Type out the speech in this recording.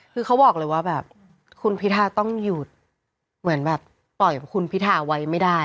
คือเขาบอกเลยว่าแบบคุณพิทาต้องหยุดเหมือนแบบปล่อยคุณพิทาไว้ไม่ได้